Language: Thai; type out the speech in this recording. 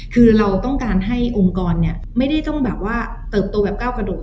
คือเราต้องการให้องค์กรไม่ได้ต้องเติบโตแบบเก้ากระโดด